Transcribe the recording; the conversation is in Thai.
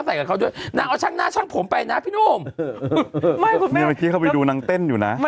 ไว้น้ำมาสามต้มไปครับพี่โน้มเขาไปดูน้ำเต้นอยู่นะ